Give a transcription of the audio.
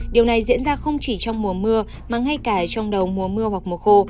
điều này diễn ra không chỉ trong mùa mưa mà ngay cả trong đầu mùa mưa hoặc mùa khô